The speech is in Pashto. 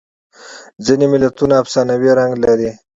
ځینې متلونه افسانوي رنګ لري